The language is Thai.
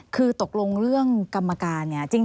คือตกลงเรื่องกรรมการเนี่ย